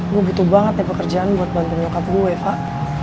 gue butuh banget ya pekerjaan buat bantuin nyokap gue fah